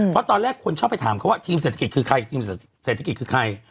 เพราะตอนแรกคนชอบไปถามเขาว่าทีมเศรษฐกิจคือใครทีมเศรษฐกิจคือใคร